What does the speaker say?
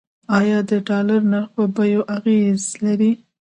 آیا د ډالر نرخ په بیو اغیز لري؟